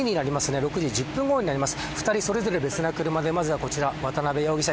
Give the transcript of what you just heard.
６時１０分ごろになります